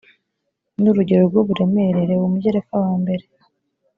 ni urugero rw uburemere reba umugereka wa mbere